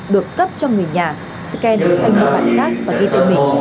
được cấp cho người nhà scan đối thân bộ bản khác và ghi tên mình